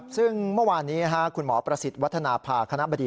ซึ่งเมื่อวานนี้คุณหมอประสิทธิ์วัฒนภาคณะบดี